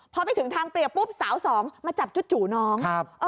พอไปถึงทางเปรียบปุ๊บสาวสองมาจับจู่น้อง